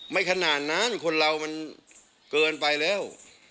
ขนาดนั้นคนเรามันเกินไปแล้ว